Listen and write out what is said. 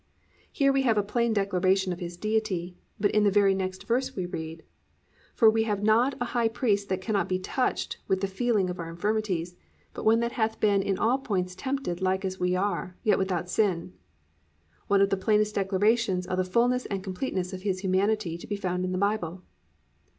"+ Here we have a plain declaration of His Deity; but in the very next verse, we read, +"For we have not an high priest that cannot be touched with the feeling of our infirmities; but one that hath been in all points tempted like as we are, yet without sin."+ One of the plainest declarations of the fullness and completeness of His humanity to be found in the Bible.